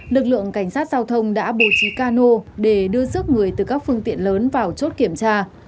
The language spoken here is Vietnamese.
lực lượng cảnh sát giao thông đã bố trí ca nô để đưa sức người từ các phương tiện lớn vào chốt kiểm tra